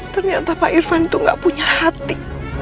ternyata pak irfan itu gak punya hati